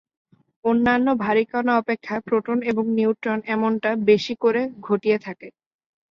অন্যান্য ভারী কণা অপেক্ষা প্রোটন এবং নিউট্রন এমনটা বেশি করে ঘটিয়ে থাকে।